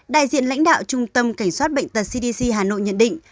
đại diện lãnh đạo trung tâm kiểm soát bệnh tật cdc hà nội nhận định